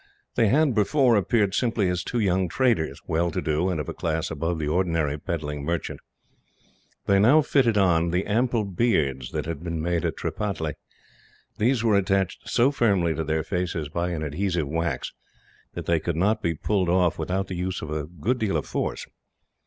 They had, before, appeared simply as two young traders, well to do, and of a class above the ordinary peddling merchant. They now fitted on the ample beards that had been made at Tripataly. These were attached so firmly to their faces, by an adhesive wax, that they could not be pulled off without the use of a good deal of force.